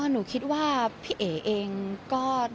หนูคิดว่าพี่เอ๋เองก็